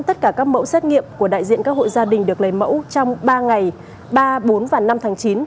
tất cả các mẫu xét nghiệm của đại diện các hộ gia đình được lấy mẫu trong ba ngày ba bốn và năm tháng chín